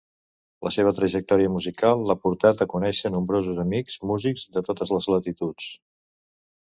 La seva trajectòria musical l'ha portat a conèixer nombrosos amics músics de totes les latituds.